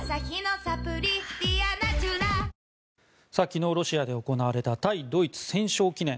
昨日、ロシアで行われた対ドイツ戦勝記念。